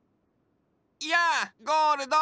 やあゴールド！